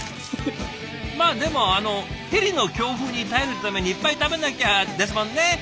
まあでもあのヘリの強風に耐えるためにいっぱい食べなきゃですもんね。